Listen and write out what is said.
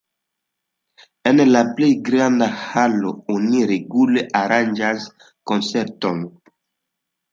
En la plej granda halo oni regule aranĝas koncertojn.